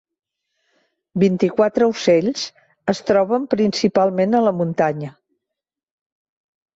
Vint-i-quatre ocells es troben principalment a la muntanya.